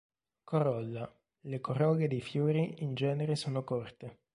Corolla: le corolle dei fiori in genere sono corte.